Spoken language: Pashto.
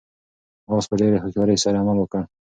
آس په ډېرې هوښیارۍ سره عمل وکړ.